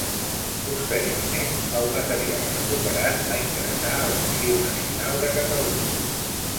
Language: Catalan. Posteriorment, el material recuperat va ingressar a l'Arxiu Nacional de Catalunya.